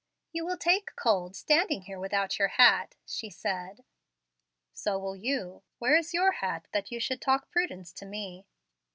"You will take cold standing here without your hat," she said. "So will you. Where is your hat, that you should talk prudence to me?"